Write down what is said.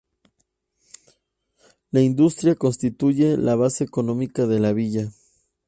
La industria constituye la base económica de la villa.